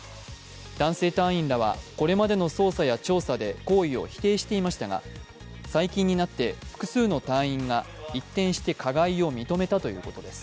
男性隊員らは、これまでの捜査や調査で行為を否定していましたが最近になって複数の隊員が一転して加害を認めたということです。